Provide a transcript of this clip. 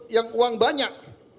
yang uang banyak